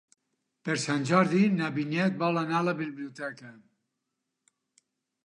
Per Sant Jordi na Vinyet vol anar a la biblioteca.